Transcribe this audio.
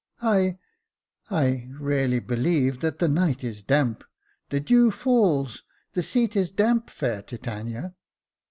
"I — I — really believe that the night is damp — the dew falls — the seat is damp, fair Titania."